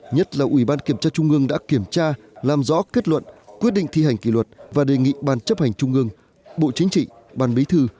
nhất là ủy ban kiểm tra trung ương đã kiểm tra làm rõ kết luận quyết định thi hành kỷ luật và đề nghị ban chấp hành trung ương bộ chính trị ban bí thư